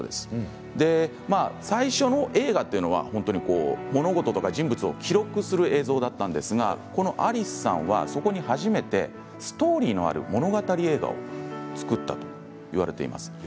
最初の映画というのは物事や人物を記録する映像だったんですがこのアリスさんはそこに初めてストーリーのある物語映画を作ったと言われています。